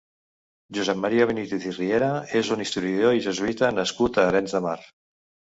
Josep Maria Benítez i Riera és un historiador i jesuïta nascut a Arenys de Mar.